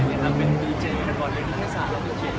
ทำเป็นดีเจกันก่อนในภาษาแล้วเป็นจริง